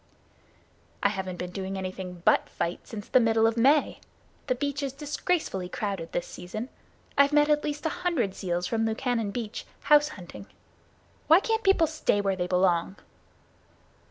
"I haven't been doing anything but fight since the middle of May. The beach is disgracefully crowded this season. I've met at least a hundred seals from Lukannon Beach, house hunting. Why can't people stay where they belong?"